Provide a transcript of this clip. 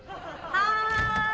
はい。